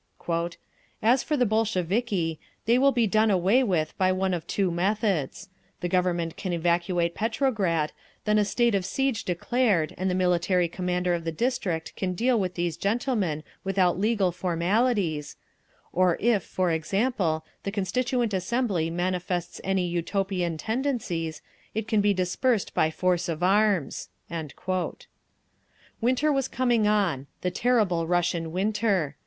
"As for the Bolsheviki, they will be done away with by one of two methods. The Government can evacuate Petrograd, then a state of siege declared, and the military commander of the district can deal with these gentlemen without legal formalities…. Or if, for example, the Constituent Assembly manifests any Utopian tendencies, it can be dispersed by force of arms…." Winter was coming on—the terrible Russian winter.